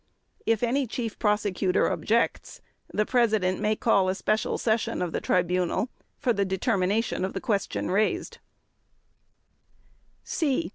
If any Chief Prosecutor objects, the President may call a special session of the Tribunal for the determination of the question raised.